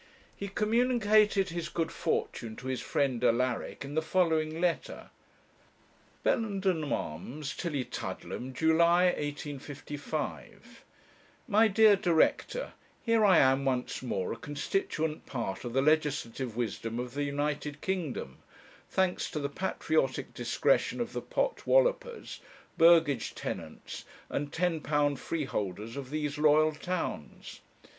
He communicated his good fortune to his friend Alaric in the following letter: 'Bellenden Arms, Tillietudlem, July, 185 . 'My DEAR DIRECTOR, 'Here I am once more a constituent part of the legislative wisdom of the United Kingdom, thanks to the patriotic discretion of the pot wallopers, burgage tenants, and ten pound freeholders of these loyal towns.